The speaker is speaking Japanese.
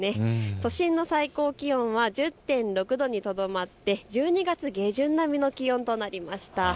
都心の最高気温は１０．６度にとどまって１２月下旬並みの気温となりました。